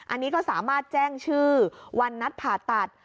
อันนี้ก็สามารถแจ้งชื่อวันนัดผ่าตัด